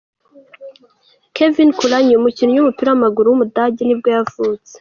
Kevin Kurányi, umukinnyi w’umupira w’amaguru w’umudage nibwo yavutse.